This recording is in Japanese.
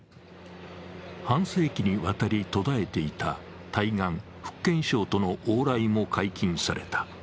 半世紀にわたり途絶えていた対岸、福建省との往来も解禁された。